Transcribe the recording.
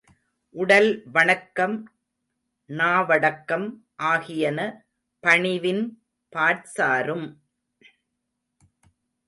உடல் வணக்கம் நாவடக்கம் ஆகியன பணிவின் பாற்சாரும்!